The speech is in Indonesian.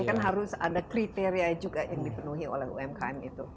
ini kan harus ada kriteria juga yang dipenuhi oleh umkm itu